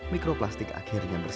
mikroplastik akhirnya dikonsumsi